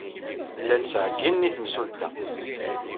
Llan ttɛeyyinen i temsulta.